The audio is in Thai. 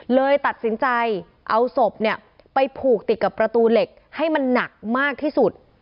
เลยตัดสินใจเอาศพเนี่ยไปผูกติดกับประตูเหล็กให้มันหนักมากที่สุด